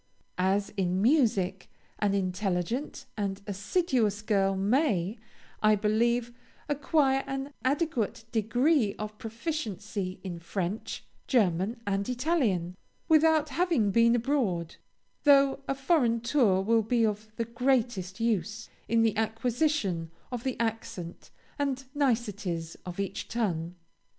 As in music, an intelligent and assiduous girl may, I believe, acquire an adequate degree of proficiency in French, German, and Italian, without having been abroad, though a foreign tour will be of the greatest use in the acquisition of the accent and niceties of each tongue.